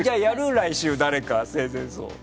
来週、誰か生前葬。